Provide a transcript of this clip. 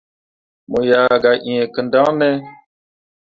Mo yah gah ẽe kǝndaŋne ?